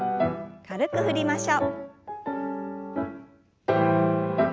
軽く振りましょう。